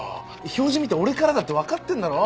表示見て俺からだって分かってんだろ？